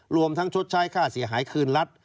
รวมทั้งชดใช้ค่าเสียหายคืนรัฐ